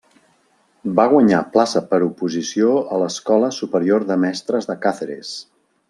Va guanyar plaça per oposició a l'Escola Superior de Mestres de Càceres.